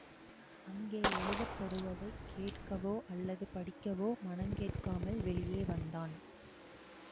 அங்கே எழுதப்படுவதை கேட்கவோ அல்லது படிக்கவோ மனங்கேட்காமல் வெளியே வந்தான்.